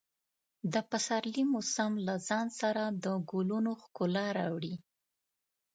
د پسرلي موسم له ځان سره د ګلونو ښکلا راوړي.